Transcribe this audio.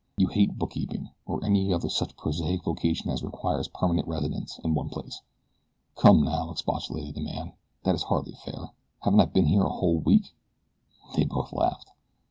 You hate bookkeeping, or any other such prosaic vocation as requires permanent residence in one place." "Come now," expostulated the man. "That is hardly fair. Haven't I been here a whole week?" They both laughed.